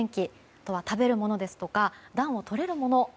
あとは食べるものですとか暖をとれるもの